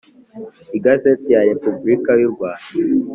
Igazeti ya Repubulika y’u Rwanda;